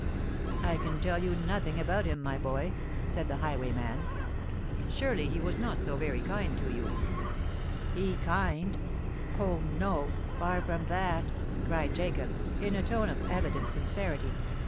"I can tell you nothing about him, my boy," said the highwayman. "Surely he was not so very kind to you——" "He kind! Oh! no—far from that!" cried Jacob, in a tone of evident sincerity.